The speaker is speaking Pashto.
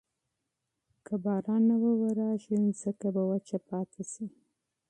که باران ونه وریږي، ځمکه به وچه پاتې شي.